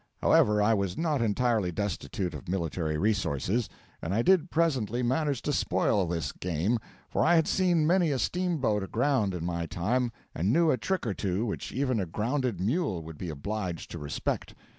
However, I was not entirely destitute of military resources, and I did presently manage to spoil this game; for I had seen many a steam boat aground in my time, and knew a trick or two which even a grounded mule would be obliged to respect.